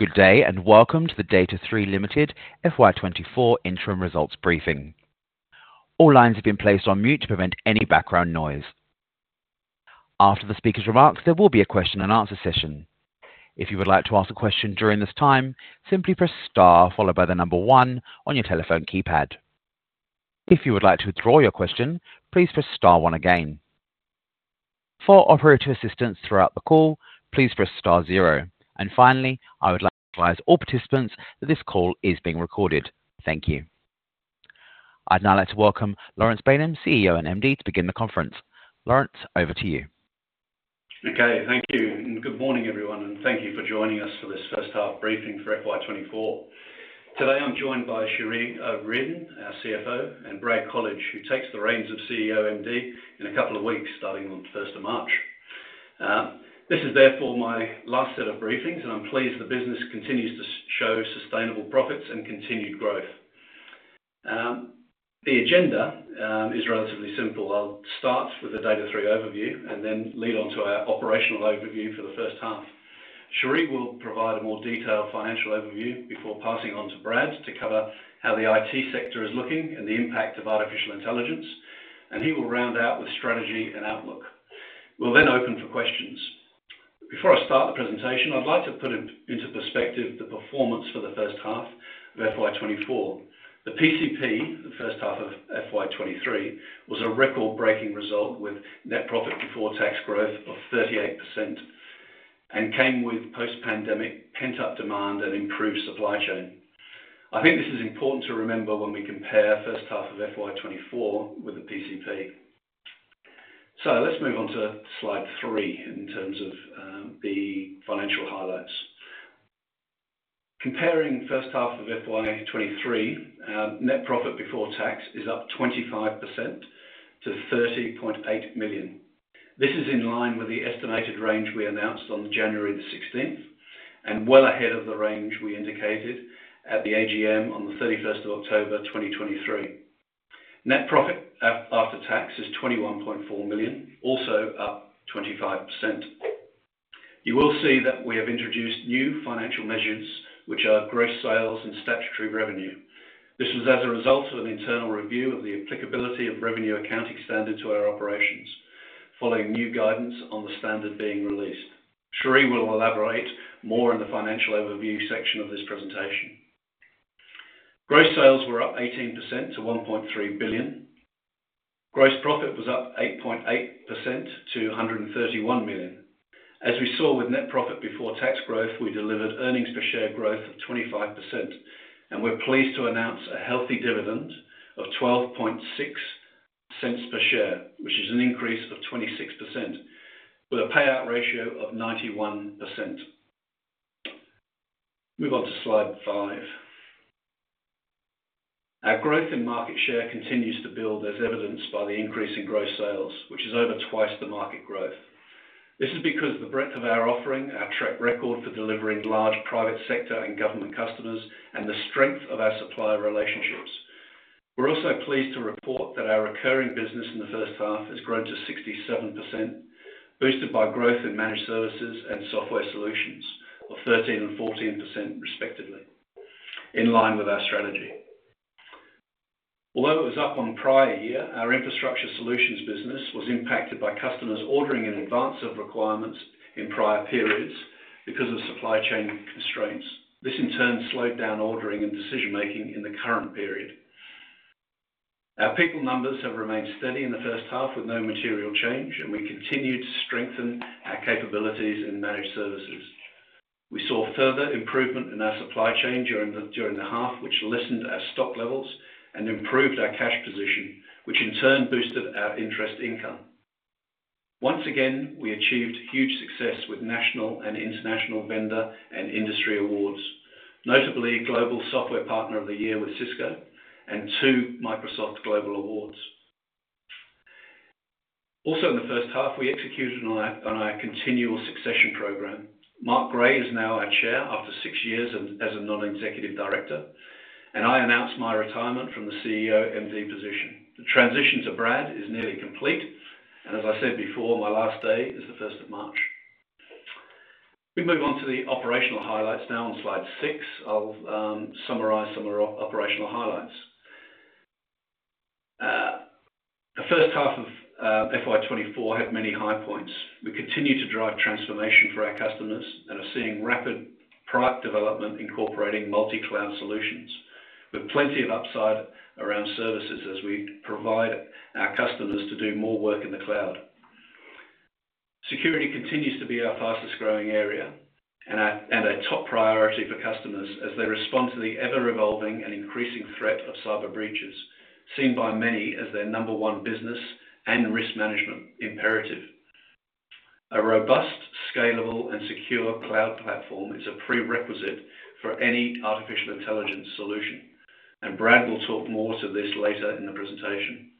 Good day and welcome to the Data#3 Limited FY 2024 interim results briefing. All lines have been placed on mute to prevent any background noise. After the speaker's remarks, there will be a question-and-answer session. If you would like to ask a question during this time, simply press star followed by the number one on your telephone keypad. If you would like to withdraw your question, please press star one again. For operator assistance throughout the call, please press star zero. And finally, I would like to advise all participants that this call is being recorded. Thank you. I'd now like to welcome Laurence Baynham, CEO and MD, to begin the conference. Laurence, over to you. Okay. Thank you. Good morning, everyone. Thank you for joining us for this first-half briefing for FY 2024. Today I'm joined by Cherie O'Riordan, our CFO, and Brad Colledge, who takes the reins of CEO and MD in a couple of weeks starting on the 1st of March. This is therefore my last set of briefings, and I'm pleased the business continues to show sustainable profits and continued growth. The agenda is relatively simple. I'll start with the Data#3 overview and then lead onto our operational overview for the first half. Cherie will provide a more detailed financial overview before passing on to Brad to cover how the IT sector is looking and the impact of artificial intelligence, and he will round out with strategy and outlook. We'll then open for questions. Before I start the presentation, I'd like to put into perspective the performance for the first half of FY 2024. The PCP, the first half of FY 2023, was a record-breaking result with net profit before tax growth of 38% and came with post-pandemic pent-up demand and improved supply chain. I think this is important to remember when we compare first half of FY 2024 with the PCP. So let's move on to slide 3 in terms of the financial highlights. Comparing first half of FY 2023, net profit before tax is up 25% to 30.8 million. This is in line with the estimated range we announced on January 16th and well ahead of the range we indicated at the AGM on 31st of October 2023. Net profit after tax is 21.4 million, also up 25%. You will see that we have introduced new financial measures, which are gross sales and statutory revenue. This was as a result of an internal review of the applicability of revenue accounting standard to our operations following new guidance on the standard being released. Cherie will elaborate more in the financial overview section of this presentation. Gross sales were up 18% to 1.3 billion. Gross profit was up 8.8% to 131 million. As we saw with net profit before tax growth, we delivered earnings per share growth of 25%, and we're pleased to announce a healthy dividend of 0.126 per share, which is an increase of 26% with a payout ratio of 91%. Move on to slide 5. Our growth in market share continues to build as evidenced by the increase in gross sales, which is over twice the market growth. This is because of the breadth of our offering, our track record for delivering large private sector and government customers, and the strength of our supplier relationships. We're also pleased to report that our recurring business in the first half has grown to 67%, boosted by growth in managed services and software solutions of 13% and 14%, respectively, in line with our strategy. Although it was up on prior year, our infrastructure solutions business was impacted by customers ordering in advance of requirements in prior periods because of supply chain constraints. This, in turn, slowed down ordering and decision-making in the current period. Our people numbers have remained steady in the first half with no material change, and we continue to strengthen our capabilities in managed services. We saw further improvement in our supply chain during the half, which lessened our stock levels and improved our cash position, which in turn boosted our interest income. Once again, we achieved huge success with national and international vendor and industry awards, notably Global Software Partner of the Year with Cisco and two Microsoft Global Awards. Also in the first half, we executed on our continual succession program. Mark Gray is now our chair after six years as a non-executive director, and I announced my retirement from the CEO/MD position. The transition to Brad is nearly complete. And as I said before, my last day is the 1st of March. We move on to the operational highlights now on slide 6. I'll summarise some of our operational highlights. The first half of FY 2024 had many high points. We continue to drive transformation for our customers and are seeing rapid product development incorporating multi-cloud solutions with plenty of upside around services as we provide our customers to do more work in the cloud. Security continues to be our fastest-growing area and a top priority for customers as they respond to the ever-evolving and increasing threat of cyber breaches seen by many as their number one business and risk management imperative. A robust, scalable, and secure cloud platform is a prerequisite for any artificial intelligence solution, and Brad will talk more to this later in the presentation.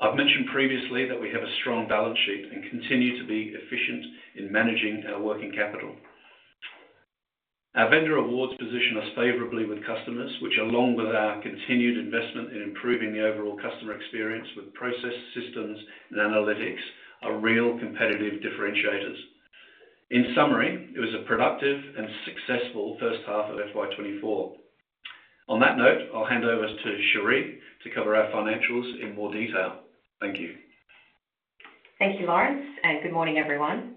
I've mentioned previously that we have a strong balance sheet and continue to be efficient in managing our working capital. Our vendor awards position us favorably with customers, which along with our continued investment in improving the overall customer experience with process systems and analytics are real competitive differentiators. In summary, it was a productive and successful first half of FY 2024. On that note, I'll hand over to Cherie to cover our financials in more detail. Thank you. Thank you, Laurence, and good morning, everyone.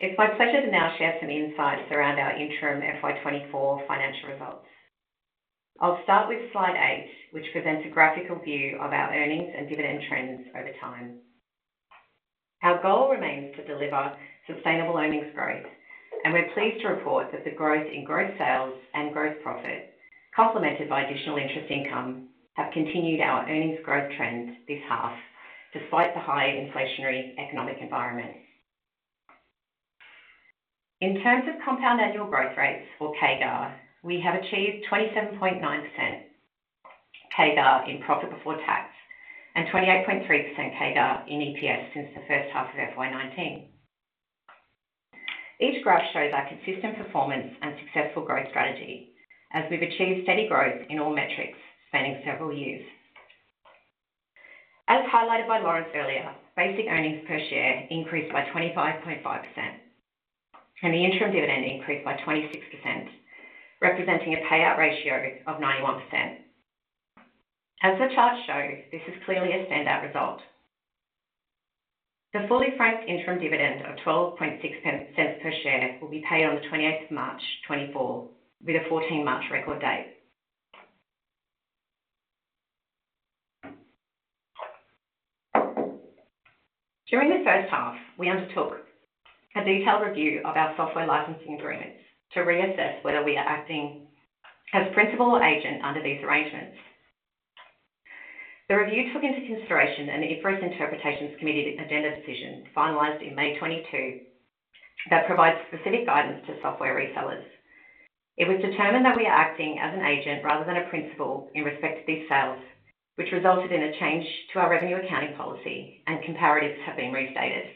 It's my pleasure to now share some insights around our interim FY 2024 financial results. I'll start with slide 8, which presents a graphical view of our earnings and dividend trends over time. Our goal remains to deliver sustainable earnings growth, and we're pleased to report that the growth in gross sales and gross profit, complemented by additional interest income, have continued our earnings growth trend this half despite the high inflationary economic environment. In terms of compound annual growth rates, or CAGR, we have achieved 27.9% CAGR in profit before tax and 28.3% CAGR in EPS since the first half of FY 2019. Each graph shows our consistent performance and successful growth strategy as we've achieved steady growth in all metrics spanning several years. As highlighted by Laurence earlier, basic earnings per share increased by 25.5%, and the interim dividend increased by 26%, representing a payout ratio of 91%. As the charts show, this is clearly a standout result. The fully franked interim dividend of 0.126 per share will be paid on the 28th of March 2024 with a 14 March record date. During the first half, we undertook a detailed review of our software licensing agreements to reassess whether we are acting as principal or agent under these arrangements. The review took into consideration an IFRS interpretations committee agenda decision finalised in May 2022 that provides specific guidance to software resellers. It was determined that we are acting as an agent rather than a principal in respect of these sales, which resulted in a change to our revenue accounting policy, and comparatives have been restated.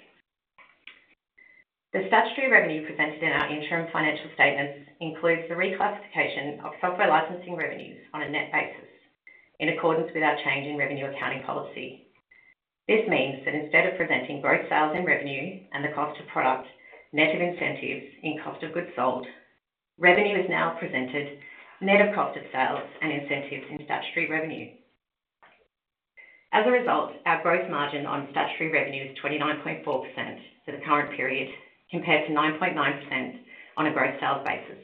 The statutory revenue presented in our interim financial statements includes the reclassification of software licensing revenues on a net basis in accordance with our change in revenue accounting policy. This means that instead of presenting gross sales and revenue and the cost of product, net of incentives in cost of goods sold, revenue is now presented net of cost of sales and incentives in statutory revenue. As a result, our gross margin on statutory revenue is 29.4% for the current period compared to 9.9% on a gross sales basis.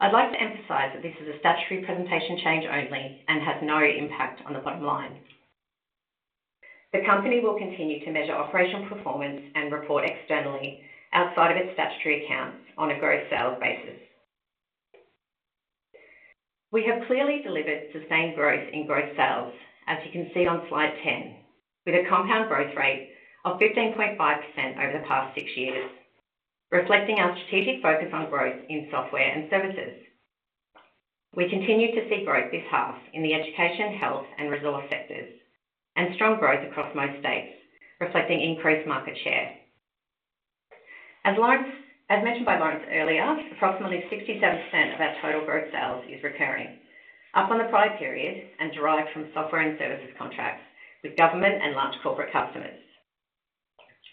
I'd like to emphasize that this is a statutory presentation change only and has no impact on the bottom line. The company will continue to measure operational performance and report externally outside of its statutory accounts on a gross sales basis. We have clearly delivered sustained growth in gross sales, as you can see on slide 10, with a compound growth rate of 15.5% over the past six years, reflecting our strategic focus on growth in software and services. We continue to see growth this half in the education, health, and resource sectors and strong growth across most states, reflecting increased market share. As mentioned by Laurence earlier, approximately 67% of our total gross sales is recurring, up on the prior period and derived from software and services contracts with government and large corporate customers.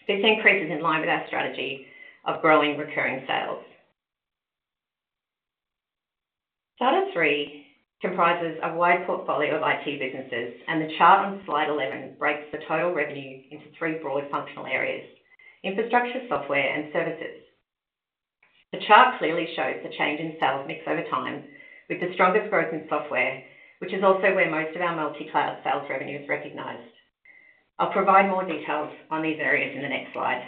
This increase is in line with our strategy of growing recurring sales. Slide 3 comprises a wide portfolio of IT businesses, and the chart on slide 11 breaks the total revenue into three broad functional areas: infrastructure, software, and services. The chart clearly shows the change in sales mix over time with the strongest growth in software, which is also where most of our multi-cloud sales revenue is recognized. I'll provide more details on these areas in the next slide.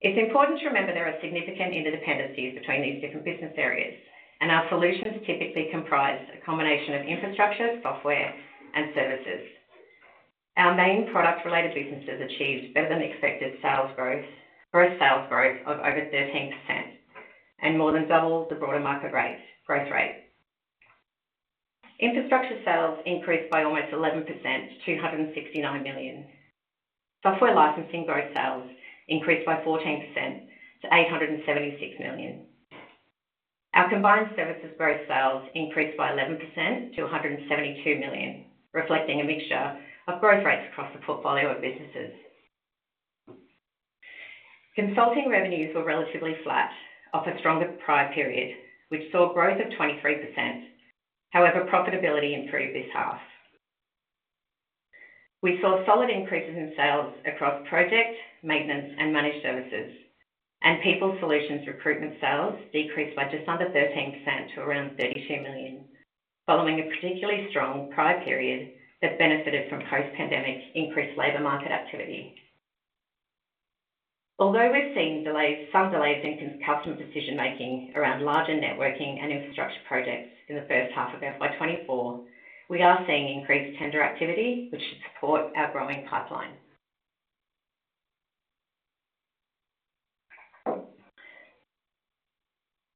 It's important to remember there are significant interdependencies between these different business areas, and our solutions typically comprise a combination of infrastructure, software, and services. Our main product-related businesses achieved better-than-expected gross sales growth of over 13% and more than doubled the broader market growth rate. Infrastructure sales increased by almost 11% to 269 million. Software licensing gross sales increased by 14% to 876 million. Our combined services gross sales increased by 11% to 172 million, reflecting a mixture of growth rates across the portfolio of businesses. Consulting revenues were relatively flat off a stronger prior period, which saw growth of 23%. However, profitability improved this half. We saw solid increases in sales across project, maintenance, and managed services, and people solutions recruitment sales decreased by just under 13% to around 32 million following a particularly strong prior period that benefited from post-pandemic increased labor market activity. Although we've seen some delays in customer decision-making around larger networking and infrastructure projects in the first half of FY 2024, we are seeing increased tender activity, which should support our growing pipeline.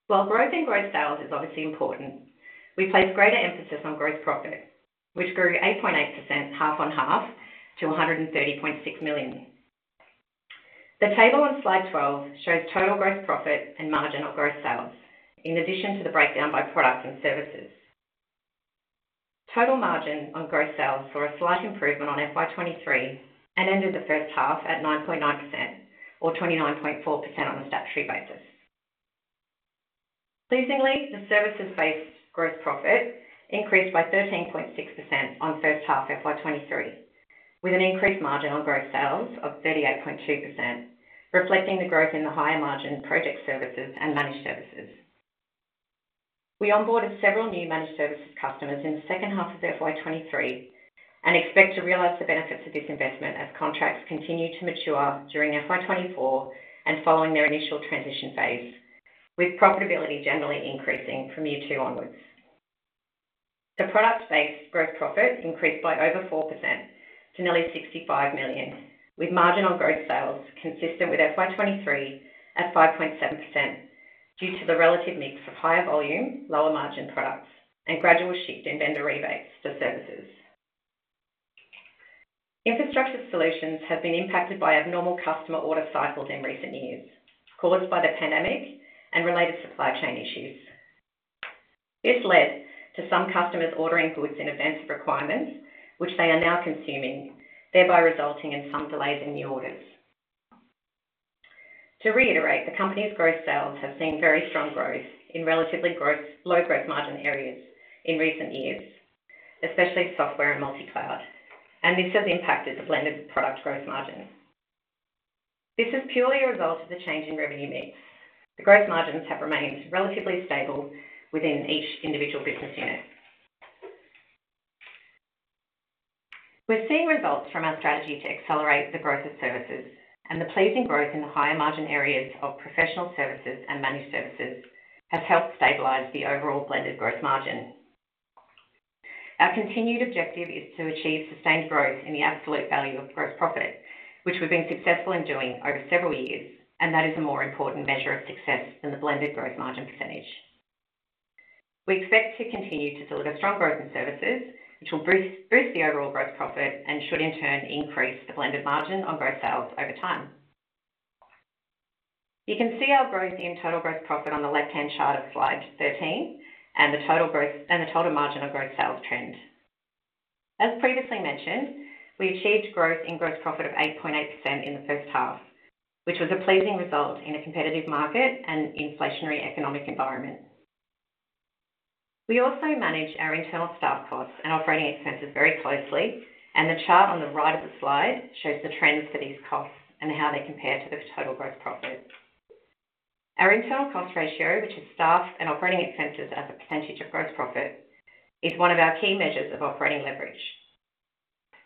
While growth in gross sales is obviously important, we place greater emphasis on gross profit, which grew 8.8% half on half to 130.6 million. The table on slide 12 shows total gross profit and margin on gross sales in addition to the breakdown by products and services. Total margin on gross sales saw a slight improvement on FY 2023 and ended the first half at 9.9% or 29.4% on a statutory basis. Pleasingly, the services-based gross profit increased by 13.6% on first half FY 2023 with an increased margin on gross sales of 38.2%, reflecting the growth in the higher margin project services and managed services. We onboarded several new managed services customers in the second half of FY 2023 and expect to realize the benefits of this investment as contracts continue to mature during FY 2024 and following their initial transition phase, with profitability generally increasing from year two onwards. The product-based gross profit increased by over 4% to nearly 65 million, with margin on gross sales consistent with FY 2023 at 5.7% due to the relative mix of higher volume, lower margin products, and gradual shift in vendor rebates for services. Infrastructure solutions have been impacted by abnormal customer order cycles in recent years caused by the pandemic and related supply chain issues. This led to some customers ordering goods in advance of requirements, which they are now consuming, thereby resulting in some delays in new orders. To reiterate, the company's gross sales have seen very strong growth in relatively low growth margin areas in recent years, especially software and multi-cloud, and this has impacted the blended product growth margin. This is purely a result of the change in revenue mix. The gross margins have remained relatively stable within each individual business unit. We're seeing results from our strategy to accelerate the growth of services, and the pleasing growth in the higher margin areas of professional services and managed services has helped stabilize the overall blended growth margin. Our continued objective is to achieve sustained growth in the absolute value of gross profit, which we've been successful in doing over several years, and that is a more important measure of success than the blended growth margin percentage. We expect to continue to deliver strong growth in services, which will boost the overall gross profit and should, in turn, increase the blended margin on gross sales over time. You can see our growth in total gross profit on the left-hand chart of slide 13 and the total margin on gross sales trend. As previously mentioned, we achieved growth in gross profit of 8.8% in the first half, which was a pleasing result in a competitive market and inflationary economic environment. We also manage our internal staff costs and operating expenses very closely, and the chart on the right of the slide shows the trends for these costs and how they compare to the total gross profit. Our internal cost ratio, which is staff and operating expenses as a percentage of gross profit, is one of our key measures of operating leverage.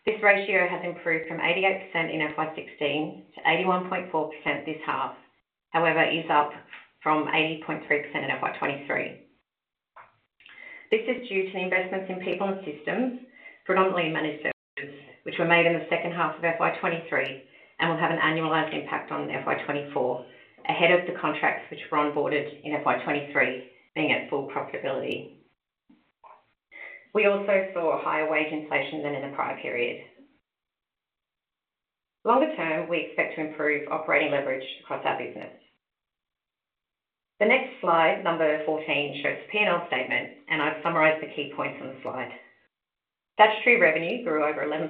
This ratio has improved from 88% in FY 2016 to 81.4% this half, however, is up from 80.3% in FY 2023. This is due to the investments in people and systems, predominantly in managed services, which were made in the second half of FY 2023 and will have an annualized impact on FY 2024 ahead of the contracts which were onboarded in FY 2023 being at full profitability. We also saw higher wage inflation than in the prior period. Longer term, we expect to improve operating leverage across our business. The next slide, number 14, shows the P&L statement, and I've summarised the key points on the slide. Statutory revenue grew over 11%,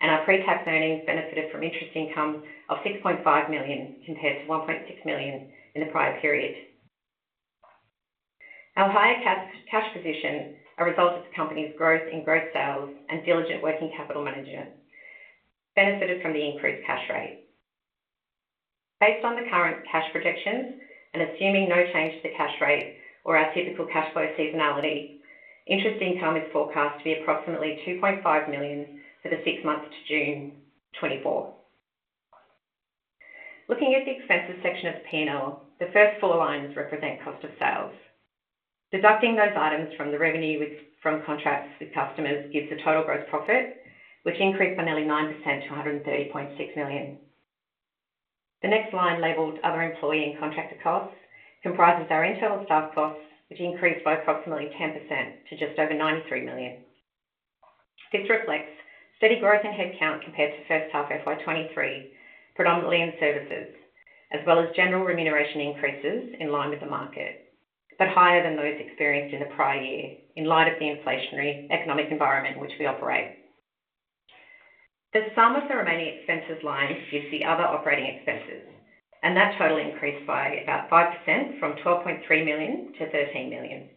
and our pre-tax earnings benefited from interest income of 6.5 million compared to 1.6 million in the prior period. Our higher cash position, a result of the company's growth in gross sales and diligent working capital management, benefited from the increased cash rate. Based on the current cash projections and assuming no change to the cash rate or our typical cash flow seasonality, interest income is forecast to be approximately 2.5 million for the six months to June 2024. Looking at the expenses section of the P&L, the first four lines represent cost of sales. Deducting those items from the revenue from contracts with customers gives a total gross profit, which increased by nearly 9% to 130.6 million. The next line, labelled other employee and contractor costs, comprises our internal staff costs, which increased by approximately 10% to just over 93 million. This reflects steady growth in headcount compared to first half FY 2023, predominantly in services, as well as general remuneration increases in line with the market, but higher than those experienced in the prior year in light of the inflationary economic environment in which we operate. The sum of the remaining expenses line gives the other operating expenses, and that total increased by about 5% from 12.3 million to 13 million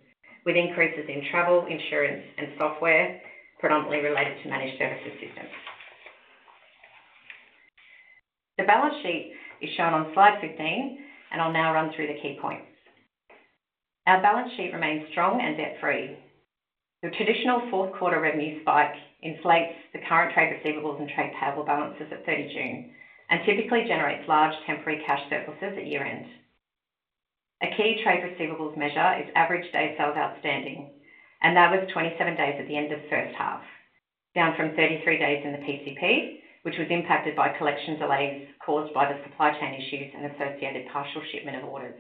with increases in travel, insurance, and software, predominantly related to managed services systems. The balance sheet is shown on slide 15, and I'll now run through the key points. Our balance sheet remains strong and debt-free. The traditional fourth quarter revenue spike inflates the current trade receivables and trade payable balances at 30 June and typically generates large temporary cash surpluses at year-end. A key trade receivables measure is average day sales outstanding, and that was 27 days at the end of the first half, down from 33 days in the PCP, which was impacted by collection delays caused by the supply chain issues and associated partial shipment of orders.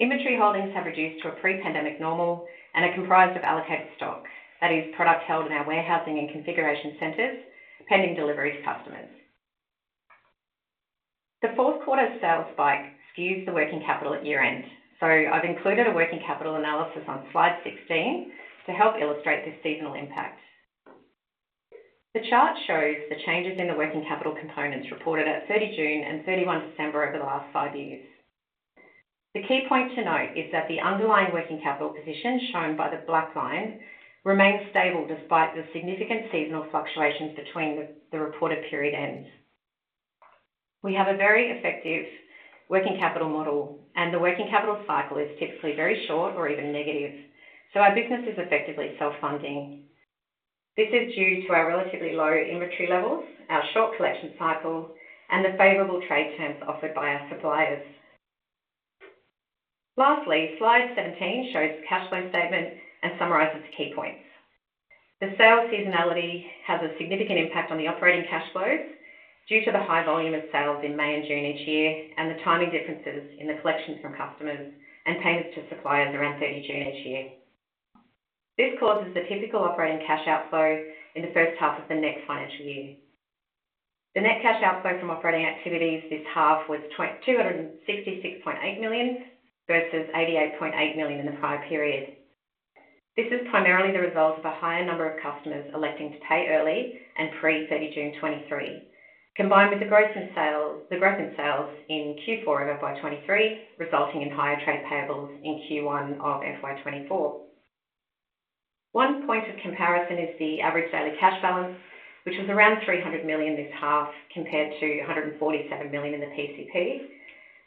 Inventory holdings have reduced to a pre-pandemic normal and are comprised of allocated stock, that is, product held in our warehousing and configuration centres pending delivery to customers. The fourth quarter sales spike skews the working capital at year-end, so I've included a working capital analysis on slide 16 to help illustrate this seasonal impact. The chart shows the changes in the working capital components reported at 30 June and 31 December over the last five years. The key point to note is that the underlying working capital position shown by the black line remains stable despite the significant seasonal fluctuations between the reported period ends. We have a very effective working capital model, and the working capital cycle is typically very short or even negative, so our business is effectively self-funding. This is due to our relatively low inventory levels, our short collection cycle, and the favorable trade terms offered by our suppliers. Lastly, slide 17 shows the cash flow statement and summarizes the key points. The sales seasonality has a significant impact on the operating cash flows due to the high volume of sales in May and June each year and the timing differences in the collections from customers and payments to suppliers around 30 June each year. This causes the typical operating cash outflow in the first half of the next financial year. The net cash outflow from operating activities this half was 266.8 million versus 88.8 million in the prior period. This is primarily the result of a higher number of customers electing to pay early and pre-30 June 2023, combined with the growth in sales in Q4 of FY 2023 resulting in higher trade payables in Q1 of FY 2024. One point of comparison is the average daily cash balance, which was around 300 million this half compared to 147 million in the PCP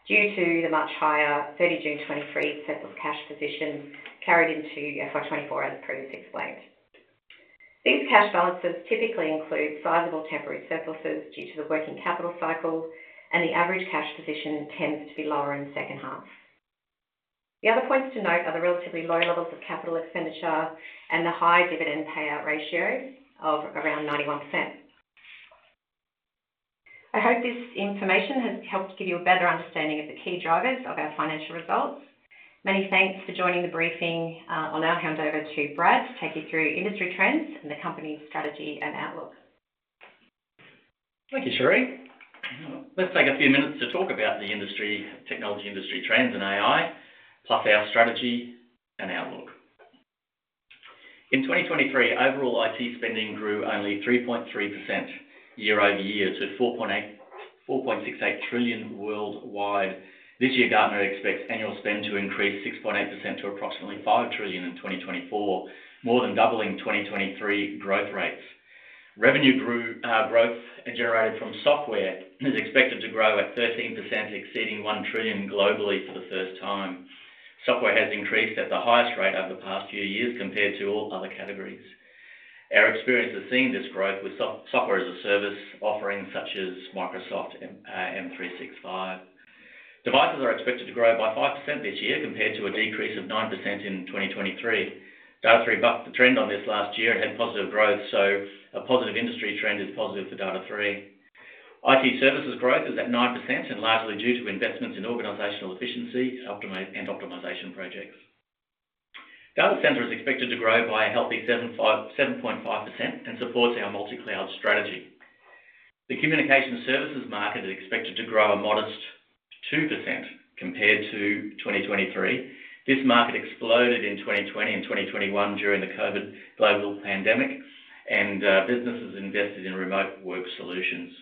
due to the much higher 30 June 2023 surplus cash position carried into FY 2024, as previously explained. These cash balances typically include sizable temporary surpluses due to the working capital cycle, and the average cash position tends to be lower in the second half. The other points to note are the relatively low levels of capital expenditure and the high dividend payout ratio of around 91%. I hope this information has helped give you a better understanding of the key drivers of our financial results. Many thanks for joining the briefing on our handover to Brad to take you through industry trends and the company's strategy and outlook. Thank you, Cherie. Let's take a few minutes to talk about the technology industry trends in AI, plus our strategy and outlook. In 2023, overall IT spending grew only 3.3% year-over-year to $4.68 trillion worldwide. This year, Gartner expects annual spend to increase 6.8% to approximately $5 trillion in 2024, more than doubling 2023 growth rates. Revenue growth generated from software is expected to grow at 13%, exceeding $1 trillion globally for the first time. Software has increased at the highest rate over the past few years compared to all other categories. Our experience has seen this growth with software as a service offerings such as Microsoft M365. Devices are expected to grow by 5% this year compared to a decrease of 9% in 2023. Data#3 bucked the trend on this last year and had positive growth, so a positive industry trend is positive for Data#3. IT services growth is at 9% and largely due to investments in organizational efficiency and optimization projects. Data center is expected to grow by a healthy 7.5% and supports our multi-cloud strategy. The communication services market is expected to grow a modest 2% compared to 2023. This market exploded in 2020 and 2021 during the COVID global pandemic, and businesses invested in remote work solutions.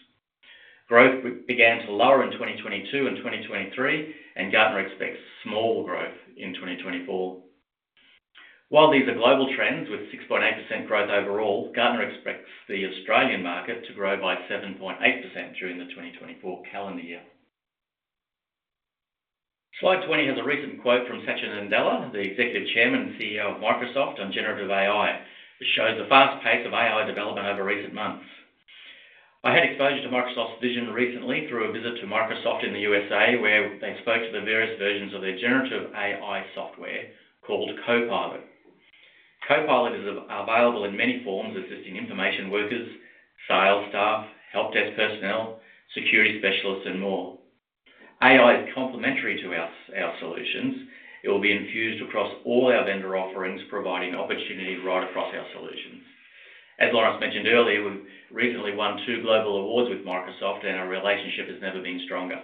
Growth began to lower in 2022 and 2023, and Gartner expects small growth in 2024. While these are global trends with 6.8% growth overall, Gartner expects the Australian market to grow by 7.8% during the 2024 calendar year. Slide 20 has a recent quote from Satya Nadella, the executive chairman and CEO of Microsoft on generative AI. This shows the fast pace of AI development over recent months. I had exposure to Microsoft's vision recently through a visit to Microsoft in the USA, where they spoke to the various versions of their generative AI software called Copilot. Copilot is available in many forms, assisting information workers, sales staff, help desk personnel, security specialists, and more. AI is complementary to our solutions. It will be infused across all our vendor offerings, providing opportunity right across our solutions. As Laurence mentioned earlier, we've recently won two global awards with Microsoft, and our relationship has never been stronger.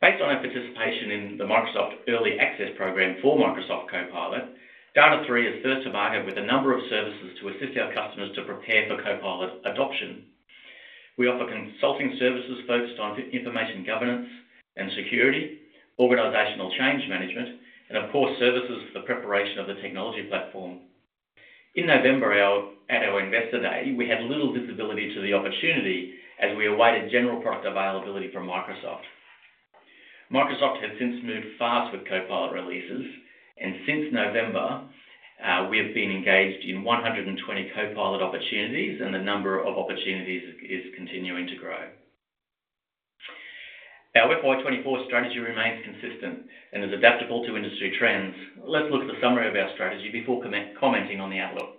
Based on our participation in the Microsoft Early Access Program for Microsoft Copilot, Data#3 is first to market with a number of services to assist our customers to prepare for Copilot adoption. We offer consulting services focused on information governance and security, organizational change management, and, of course, services for the preparation of the technology platform. In November, at our Investor Day, we had little visibility to the opportunity as we awaited general product availability from Microsoft. Microsoft has since moved fast with Copilot releases, and since November, we have been engaged in 120 Copilot opportunities, and the number of opportunities is continuing to grow. Our FY 2024 strategy remains consistent and is adaptable to industry trends. Let's look at the summary of our strategy before commenting on the outlook.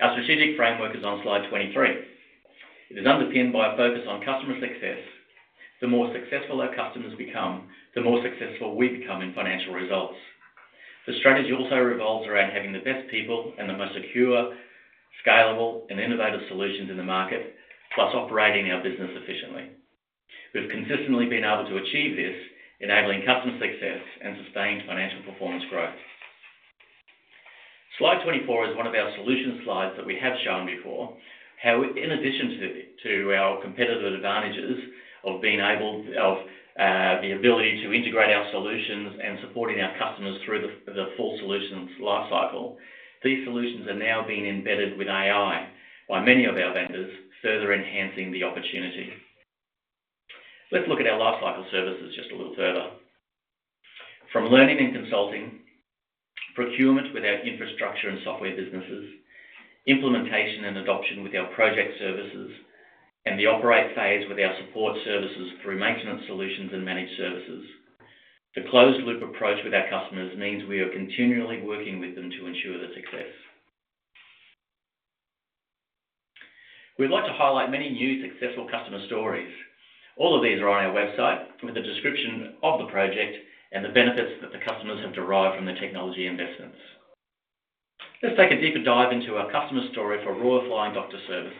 Our strategic framework is on slide 23. It is underpinned by a focus on customer success. The more successful our customers become, the more successful we become in financial results. The strategy also revolves around having the best people and the most secure, scalable, and innovative solutions in the market, plus operating our business efficiently. We've consistently been able to achieve this, enabling customer success and sustained financial performance growth. Slide 24 is one of our solution slides that we have shown before. In addition to our competitive advantages of the ability to integrate our solutions and supporting our customers through the full solutions lifecycle, these solutions are now being embedded with AI by many of our vendors, further enhancing the opportunity. Let's look at our lifecycle services just a little further. From learning and consulting, procurement with our infrastructure and software businesses, implementation and adoption with our project services, and the operate phase with our support services through maintenance solutions and managed services, the closed-loop approach with our customers means we are continually working with them to ensure their success. We'd like to highlight many new successful customer stories. All of these are on our website with a description of the project and the benefits that the customers have derived from the technology investments. Let's take a deeper dive into our customer story for Royal Flying Doctor Service.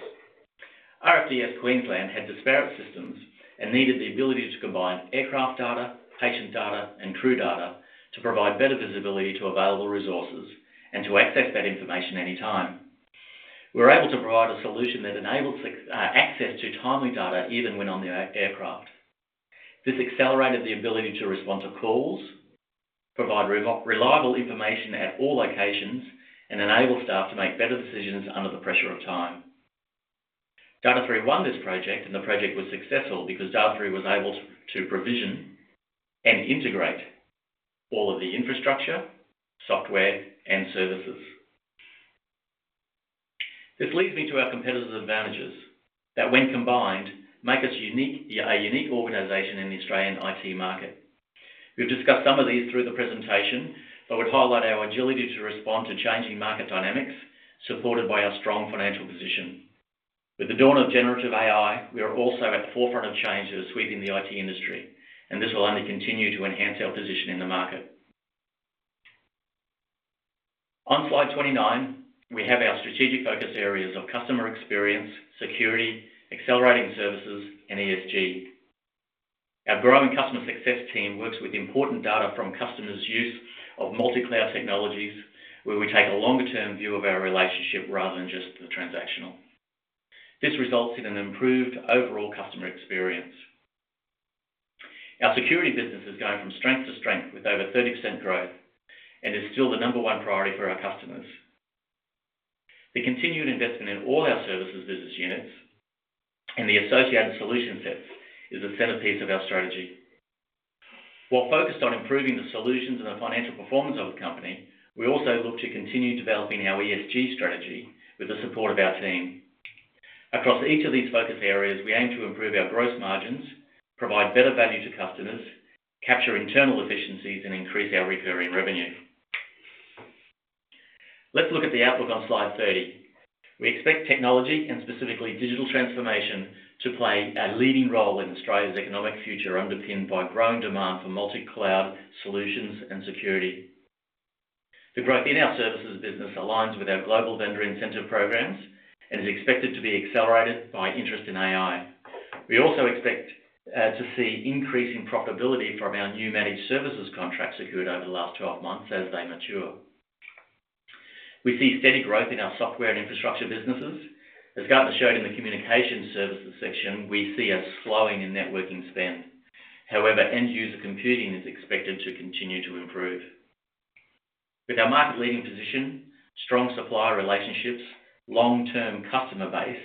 RFDS Queensland had disparate systems and needed the ability to combine aircraft data, patient data, and crew data to provide better visibility to available resources and to access that information anytime. We were able to provide a solution that enabled access to timely data even when on the aircraft. This accelerated the ability to respond to calls, provide reliable information at all locations, and enable staff to make better decisions under the pressure of time. Data#3 won this project, and the project was successful because Data#3 was able to provision and integrate all of the infrastructure, software, and services. This leads me to our competitive advantages that, when combined, make us a unique organization in the Australian IT market. We've discussed some of these through the presentation, but would highlight our agility to respond to changing market dynamics supported by our strong financial position. With the dawn of generative AI, we are also at the forefront of change that is sweeping the IT industry, and this will only continue to enhance our position in the market. On slide 29, we have our strategic focus areas of customer experience, security, accelerating services, and ESG. Our growing customer success team works with important data from customers' use of multi-cloud technologies, where we take a longer-term view of our relationship rather than just the transactional. This results in an improved overall customer experience. Our security business is going from strength to strength with over 30% growth and is still the number one priority for our customers. The continued investment in all our services business units and the associated solution sets is the centerpiece of our strategy. While focused on improving the solutions and the financial performance of the company, we also look to continue developing our ESG strategy with the support of our team. Across each of these focus areas, we aim to improve our gross margins, provide better value to customers, capture internal efficiencies, and increase our recurring revenue. Let's look at the outlook on slide 30. We expect technology and specifically digital transformation to play a leading role in Australia's economic future, underpinned by growing demand for multi-cloud solutions and security. The growth in our services business aligns with our global vendor incentive programs and is expected to be accelerated by interest in AI. We also expect to see increasing profitability from our new managed services contracts secured over the last 12 months as they mature. We see steady growth in our software and infrastructure businesses. As Gartner showed in the communication services section, we see a slowing in networking spend. However, end-user computing is expected to continue to improve. With our market-leading position, strong supplier relationships, long-term customer base,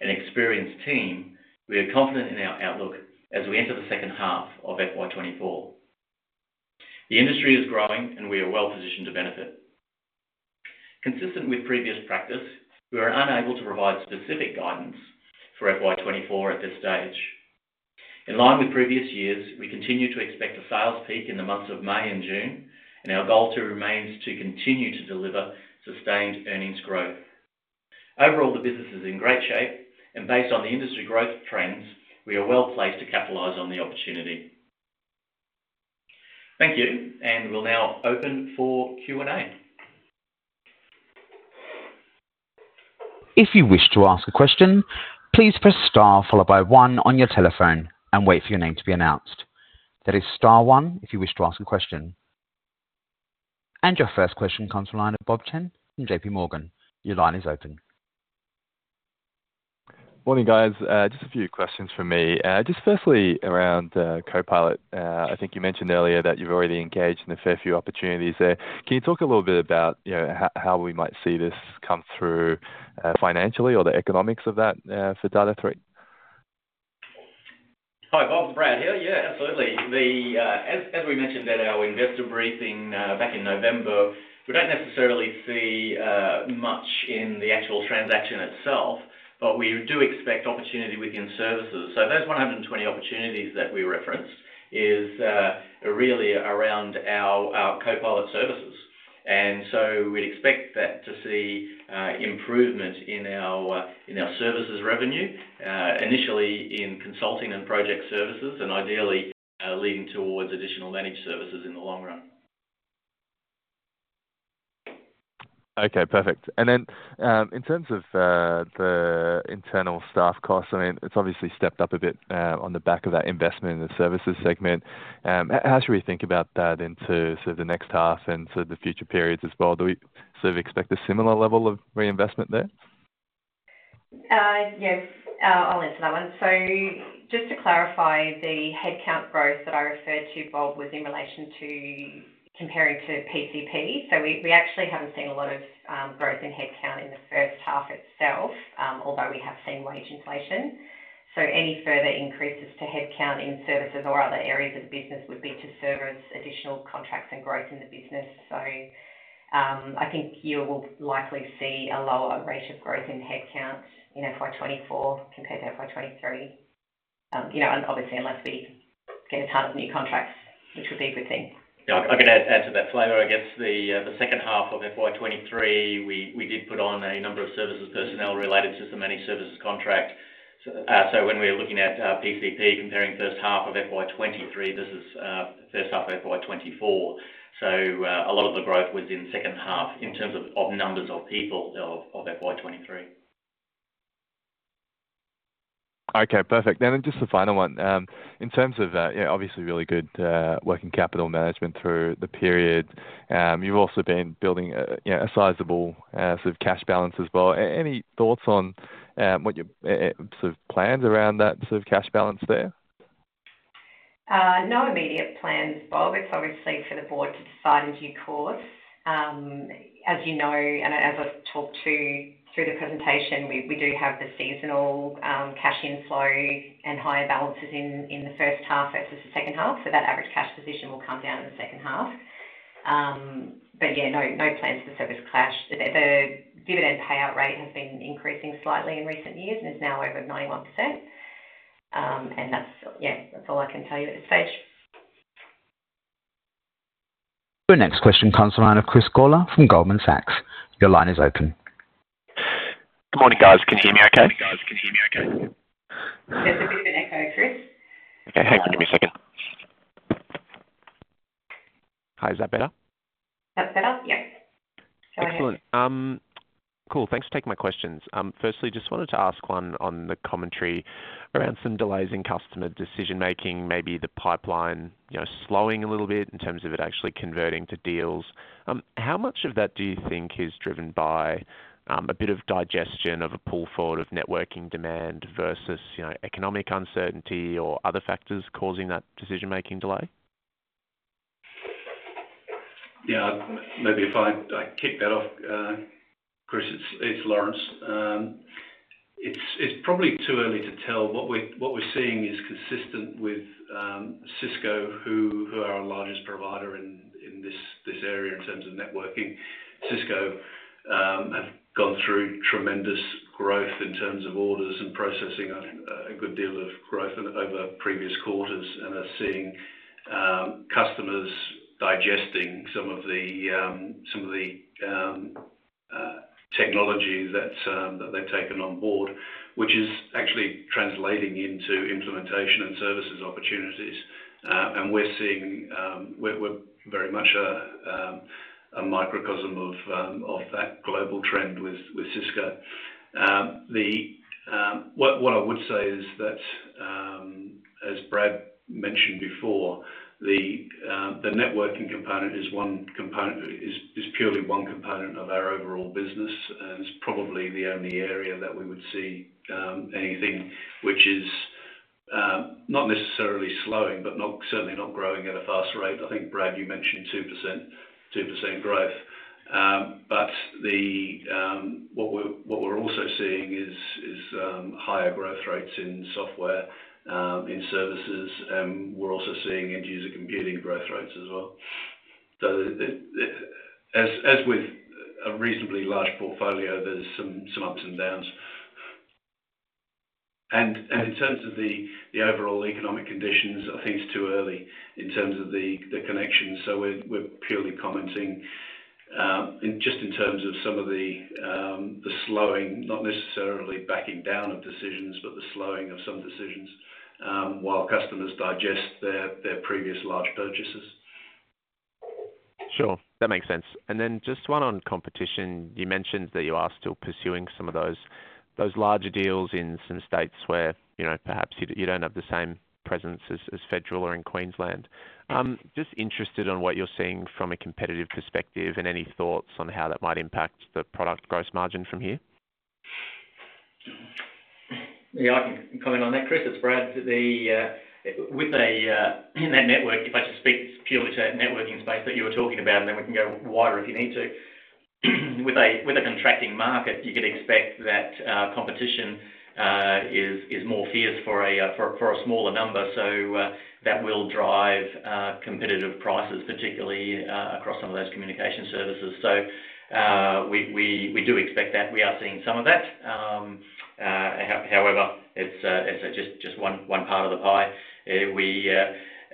and experienced team, we are confident in our outlook as we enter the second half of FY 2024. The industry is growing, and we are well-positioned to benefit. Consistent with previous practice, we are unable to provide specific guidance for FY 2024 at this stage. In line with previous years, we continue to expect a sales peak in the months of May and June, and our goal remains to continue to deliver sustained earnings growth. Overall, the business is in great shape, and based on the industry growth trends, we are well-placed to capitalize on the opportunity. Thank you, and we'll now open for Q&A. If you wish to ask a question, please press star followed by one on your telephone and wait for your name to be announced. That is star one if you wish to ask a question. And your first question comes from the line of Bob Chen from JPMorgan. Your line is open. Morning, guys. Just a few questions from me. Just firstly around Copilot. I think you mentioned earlier that you've already engaged in a fair few opportunities there. Can you talk a little bit about how we might see this come through financially or the economics of that for Data#3? Hi, Bob. It's Brad here. Yeah, absolutely. As we mentioned at our investor briefing back in November, we don't necessarily see much in the actual transaction itself, but we do expect opportunity within services. So those 120 opportunities that we referenced are really around our Copilot services. And so we'd expect to see improvement in our services revenue, initially in consulting and project services, and ideally leading towards additional managed services in the long run. Okay, perfect. And then in terms of the internal staff costs, I mean, it's obviously stepped up a bit on the back of that investment in the services segment. How should we think about that into sort of the next half and sort of the future periods as well? Do we sort of expect a similar level of reinvestment there? Yes. I'll answer that one. So just to clarify, the headcount growth that I referred to, Bob, was in relation to comparing to PCP. So we actually haven't seen a lot of growth in headcount in the first half itself, although we have seen wage inflation. So any further increases to headcount in services or other areas of the business would be to service additional contracts and growth in the business. So I think you will likely see a lower rate of growth in headcount in FY 2024 compared to FY 2023, obviously, unless we get a ton of new contracts, which would be a good thing. Yeah, I can add to that flavor. I guess the second half of FY 2023, we did put on a number of services personnel related to the managed services contract. So when we're looking at PCP, comparing first half of FY 2023, this is first half of FY 2024. So a lot of the growth was in second half in terms of numbers of people of FY 2023. Okay, perfect. And then just the final one. In terms of, obviously, really good working capital management through the period, you've also been building a sizable sort of cash balance as well. Any thoughts on what your sort of plans around that sort of cash balance there? No immediate plans, Bob. It's obviously for the board to decide in due course. As you know, and as I've talked through the presentation, we do have the seasonal cash inflow and higher balances in the first half versus the second half. So that average cash position will come down in the second half. But yeah, no plans for special cash. The dividend payout rate has been increasing slightly in recent years and is now over 91%. Yeah, that's all I can tell you at this stage. Your next question comes from line of Chris Gawler from Goldman Sachs. Your line is open. Good morning, guys. Can you hear me okay? Can you hear me okay? There's a bit of an echo, Chris. Okay. Hang on. Give me a second. Hi. Is that better? That's better. Yep. Go ahead. Excellent. Cool. Thanks for taking my questions. Firstly, just wanted to ask one on the commentary around some delays in customer decision-making, maybe the pipeline slowing a little bit in terms of it actually converting to deals. How much of that do you think is driven by a bit of digestion of a pull forward of networking demand versus economic uncertainty or other factors causing that decision-making delay? Yeah. Maybe if I kick that off, Chris. It's Laurence. It's probably too early to tell. What we're seeing is consistent with Cisco, who are our largest provider in this area in terms of networking. Cisco have gone through tremendous growth in terms of orders and processing, a good deal of growth over previous quarters, and are seeing customers digesting some of the technology that they've taken on board, which is actually translating into implementation and services opportunities. And we're very much a microcosm of that global trend with Cisco. What I would say is that, as Brad mentioned before, the networking component is purely one component of our overall business and is probably the only area that we would see anything which is not necessarily slowing, but certainly not growing at a faster rate. I think, Brad, you mentioned 2% growth. But what we're also seeing is higher growth rates in software, in services, and we're also seeing end-user computing growth rates as well. So as with a reasonably large portfolio, there's some ups and downs. And in terms of the overall economic conditions, I think it's too early in terms of the connections. So we're purely commenting just in terms of some of the slowing, not necessarily backing down of decisions, but the slowing of some decisions while customers digest their previous large purchases. Sure. That makes sense. Then just one on competition. You mentioned that you are still pursuing some of those larger deals in some states where perhaps you don't have the same presence as federal or in Queensland. Just interested on what you're seeing from a competitive perspective and any thoughts on how that might impact the product gross margin from here? Yeah. I can comment on that, Chris. It's Brad. In that network, if I just speak purely to that networking space that you were talking about, and then we can go wider if you need to, with a contracting market, you could expect that competition is more fierce for a smaller number. So that will drive competitive prices, particularly across some of those communication services. So we do expect that. We are seeing some of that. However, it's just one part of the pie.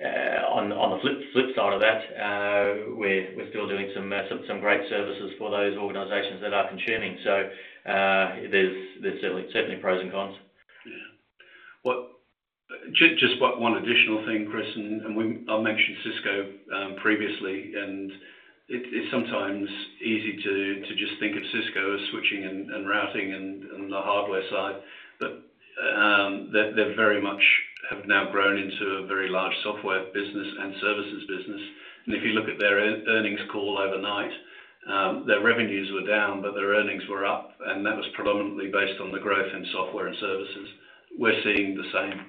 On the flip side of that, we're still doing some great services for those organizations that are consuming. So there's certainly pros and cons. Yeah. Just one additional thing, Chris, and I mentioned Cisco previously, and it's sometimes easy to just think of Cisco as switching and routing and the hardware side. But they very much have now grown into a very large software business and services business. And if you look at their earnings call overnight, their revenues were down, but their earnings were up, and that was predominantly based on the growth in software and services. We're seeing the same.